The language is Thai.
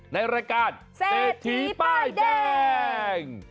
ในรายการเศรษฐีป้ายแดง